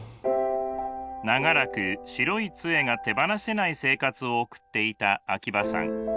長らく白いつえが手放せない生活を送っていた秋葉さん。